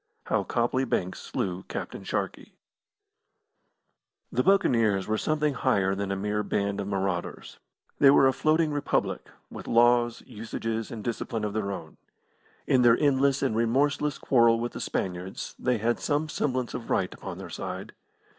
III HOW COPLEY BANKS SLEW CAPTAIN SHARKEY The Buccaneers were something higher than a mere band of marauders. They were a floating republic, with laws, usages, and discipline of their own. In their endless and remorseless quarrel with the Spaniards they had some semblance of right upon their side.